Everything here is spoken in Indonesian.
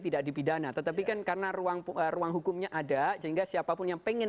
tidak dipidana tetapi kan karena ruang ruang hukumnya ada sehingga siapapun yang pengen